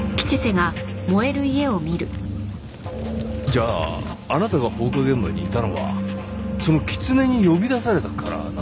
じゃああなたが放火現場にいたのはその狐に呼び出されたからなんですね？